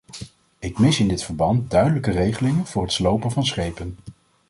Ik mis in dit verband duidelijke regelingen voor het slopen van schepen.